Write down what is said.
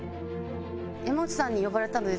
山内さんに呼ばれたので。